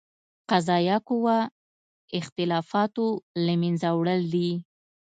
قضائیه قوه اختلافاتو له منځه وړل دي.